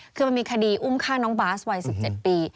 คือมันมีคดีอุ้มฆ่าน้องบาสวัย๑๗ปี